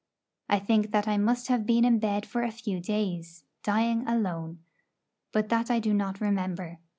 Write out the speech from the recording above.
I think that I must have been in bed for a few days, dying alone; but that I do not remember.